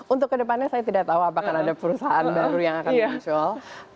untuk kedepannya saya tidak tahu apakah ada perusahaan baru yang akan muncul